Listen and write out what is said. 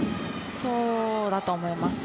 そうだと思います。